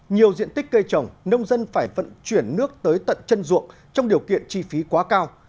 nhiều diện tích cây trồng nông dân phải vận chuyển nước tới tận chân ruộng trong điều kiện chi phí quá cao